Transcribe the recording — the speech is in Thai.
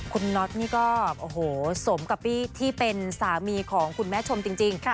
คุณน็อตนี่ก็โอ้โหสมกับที่เป็นสามีของคุณแม่ชมจริง